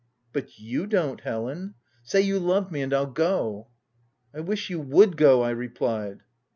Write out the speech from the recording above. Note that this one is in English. " But you don't, Helen — say you love me, and I'll go." " I wish you would go !'' I replied.